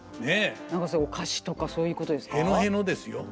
何かお菓子とかそういうことですか。